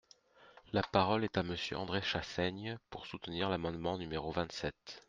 La parole est à Monsieur André Chassaigne, pour soutenir l’amendement numéro vingt-sept.